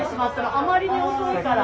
あまりに遅いから。